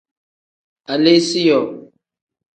Aleesiyoo.